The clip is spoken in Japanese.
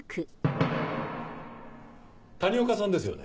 谷岡さんですよね？